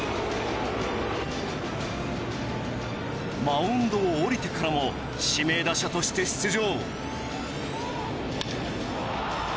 マウンドを降りてからも指名打者として出場。